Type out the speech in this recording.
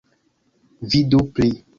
Vidu pli.